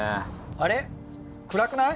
あれ暗くない？